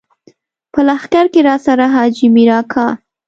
په لښکر کې راسره حاجي مير اکا.